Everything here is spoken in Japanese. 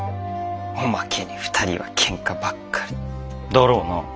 おまけに２人はけんかばっかり。だろうな。